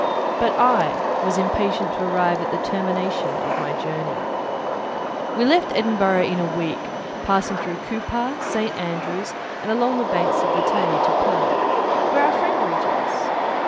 But I was impatient to arrive at the termination of my journey. We left Edinburgh in a week, passing through Coupar, St. Andrew's, and along the banks of the Tay, to Perth, where our friend expected us.